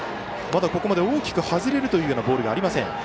まだここまで大きく外れるボールがありません。